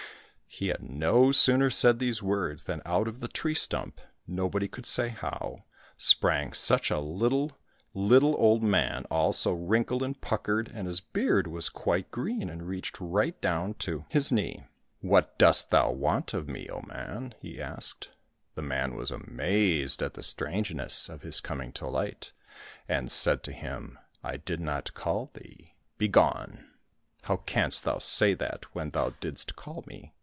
" He had no sooner said these words than out of the tree stump, nobody could say how, sprang such a little, little old man, all so wrinkled and puckered, and his beard was quite green and reached right down to * i6 ALL AL\NNER OF EVIL POWERS WALKED ABROAD i6 OH: THE TSAR OF THE FOREST his knee. —'* What dost thou want of me, O man ? "he asked. — The man was amazed at the strangeness of his coming to light, and said to him, " I did not call thee ; begone !"—" How canst thou say that when thou didst call me